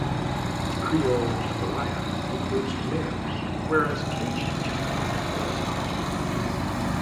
Creole jambalaya includes tomatoes, whereas Cajun jambalaya does not.